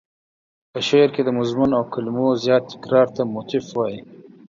په شعر کې د مضمون او کلمو زیات تکرار ته موتیف وايي.